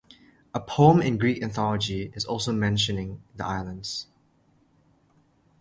A poem in Greek Anthology is also mentioning the islands.